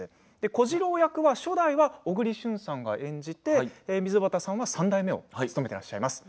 小次郎役は初代は小栗旬さんが演じて溝端さんは３代目を務めてらっしゃいます。